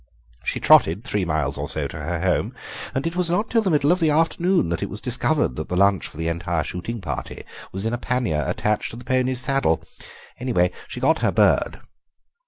She trotted three miles or so to her home, and it was not till the middle of the afternoon that it was discovered that the lunch for the entire shooting party was in a pannier attached to the pony's saddle. Anyway, she got her bird."